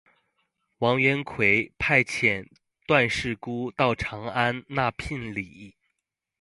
王元逵派遣段氏姑到长安纳聘礼。